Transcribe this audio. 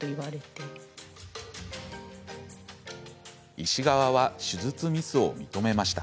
医師側は手術ミスを認めました。